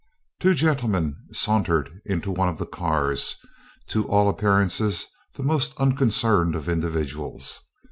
Two gentlemen sauntered into one of the cars, to all appearances the most unconcerned of individuals.